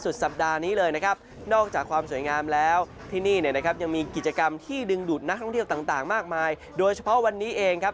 ต่างมากมายโดยเฉพาะวันนี้เองครับ